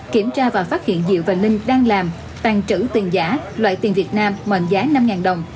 kiểm tra và phát hiện diệu và linh đang làm tàn trữ tiền giả loại tiền việt nam mệnh giá năm đồng